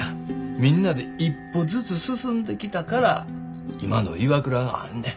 みんなで一歩ずつ進んできたから今のＩＷＡＫＵＲＡがあんねん。